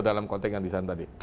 dalam konteks yang desain tadi